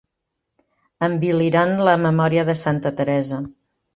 Enviliran la memòria de santa Teresa.